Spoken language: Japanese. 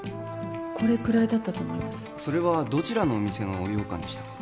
これくらいだったと思いますどちらのお店の羊羹でしたか？